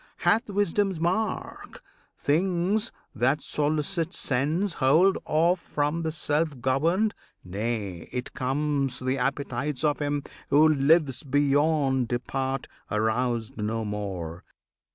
Hath wisdom's mark! Things that solicit sense Hold off from the self governed; nay, it comes, The appetites of him who lives beyond Depart, aroused no more.